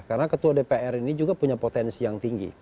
karena ketua dpr ini juga punya potensi yang tinggi